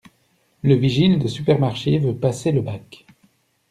Le vigile de supermarché veut passer le bac...